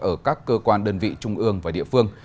ở các cơ quan đơn vị trung ương và địa phương